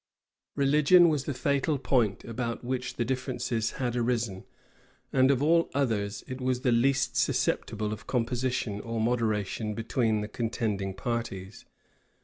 [*] Religion was the fatal point about which the differences had arisen; and of all others, it was the least susceptible of composition or moderation between the contending parties.